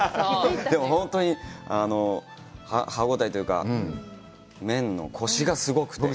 でも、本当に、歯応えというか、麺のコシがすごくて。